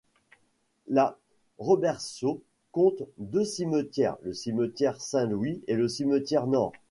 La Robertsau compte deux cimetières, le cimetière Saint-Louis et le cimetière Nord.